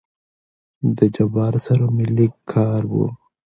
د جبار سره مې لېږ کار وو.